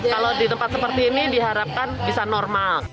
kalau di tempat seperti ini diharapkan bisa normal